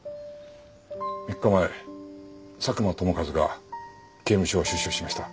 ３日前佐久間友和が刑務所を出所しました。